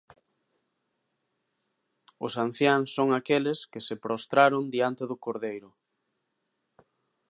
Os anciáns son aqueles que se prostraron diante do Cordeiro.